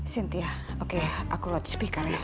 sintia oke aku load speaker ya